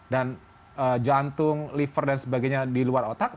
dan jantung liver dan sebagainya di luar otak